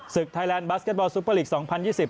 ศึกไทยแลนด์บัสเก็ตบอลซุปเปอร์ลีกสองพันยี่สิบ